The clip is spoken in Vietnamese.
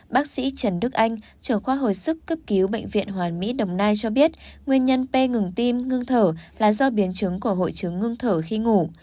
bác sĩ trần đức anh trưởng khoa hồi sức cấp cứu bệnh viện hoàn mỹ đồng nai cho biết nguyên nhân p ngừng tim ngưng thở là do biến chứng của hội chứng ngưng thở khi ngủ